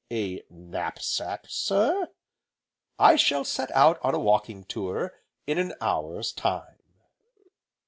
"A knap sack, sir?" "I shall set out on a walking tour in an hour's time."